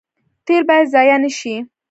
تیل باید ضایع نشي